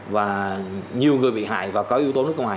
và nhiều người bị hại và có yếu tố nước ngoài